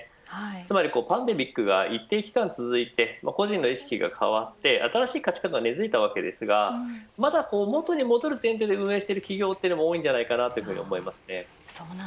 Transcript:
つまりパンデミックが一定期間続いて個人の意識が変わって新しい価値観が根付いたのですがまだ元に戻る前提で運営している企業も多いと思います。